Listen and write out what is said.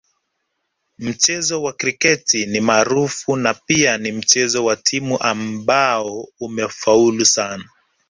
Mchezo wa kriketi ni maarufu na pia ni mchezo wa timu ambao umefaulu sana